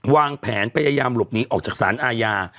วางแผนพยายามหลบหนีออกจากสารอาญา